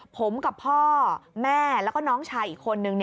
ผมกับพ่อแม่แล้วก็น้องชายอีกคนนึง